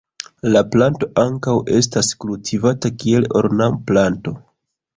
La planto ankaŭ estas kultivata kiel ornamplanto.